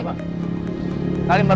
ya terima kasih pak